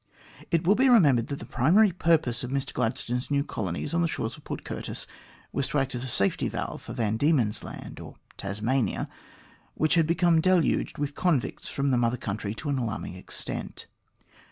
It will be remembered that the primary purpose of Mr Gladstone's new colony on the shores of Port Curtis was to act as a safety valve for Van Diemen's Land or Tasmania, which had become deluged with convicts from the Mother Country to an alarming extent.